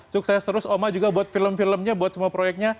sukses terus oma juga buat film filmnya buat semua proyeknya